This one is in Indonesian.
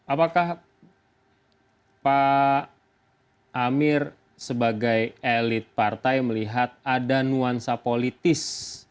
apakah pak amir sebagai elit partai melihat ada nuansa politis